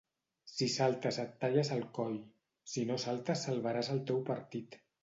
Si saltes et talles el coll, si no saltes salvaràs al teu partit.